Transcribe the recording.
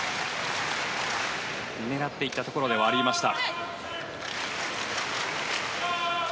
狙っていったところではありました。